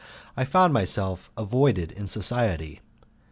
I found myself avoided in society.